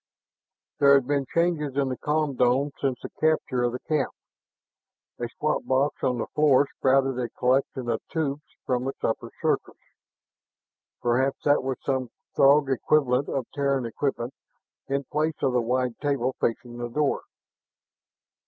There had been changes in the com dome since the capture of the cap. A squat box on the floor sprouted a collection of tubes from its upper surface. Perhaps that was some Throg equivalent of Terran equipment in place on the wide table facing the door.